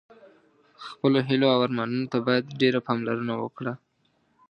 خپلو هیلو او ارمانونو ته باید ډېره پاملرنه وکړه.